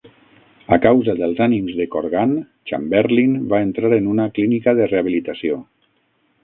A causa dels ànims de Corgan, Chamberlin va entrar en una clínica de rehabilitació.